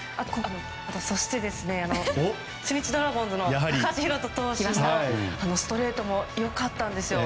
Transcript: そして、中日ドラゴンズの高橋宏斗投手のストレートも良かったんです。